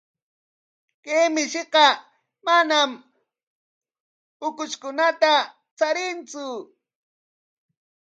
Chay mishiqa manam ukushkunata charintsu.